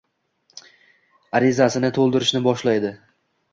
arizasini to‘ldirishni boshlaydi.